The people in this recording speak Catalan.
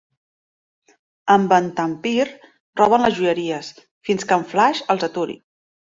Amb en Tar Pir roben les joieries fins que en Flash els aturi.